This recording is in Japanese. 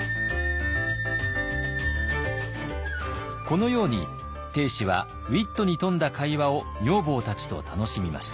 このように定子はウイットに富んだ会話を女房たちと楽しみました。